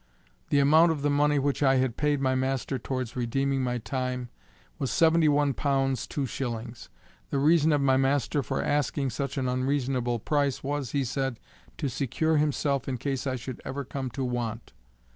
The amount of the money which I had paid my master towards redeeming my time, was seventy one pounds two shillings. The reason of my master for asking such an unreasonable price, was he said, to secure himself in case I should ever come to want.